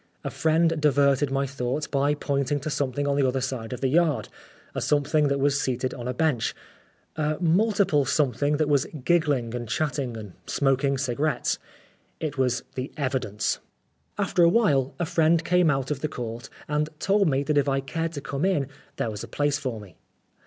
A friend diverted my thoughts by pointing to something on the other side of the yard a something that was seated on a bench, a multiple something that was giggling and chatting and smoking cigarettes. It was The Evidence. After awhile, a friend came out of the Court and told me that if I cared to come in, there was a place for me.